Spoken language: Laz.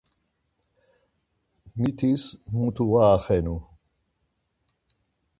Mitis mutu var axenu.